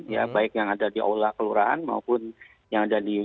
ya baik yang ada di aula kelurahan maupun yang ada di sarana ibadah ya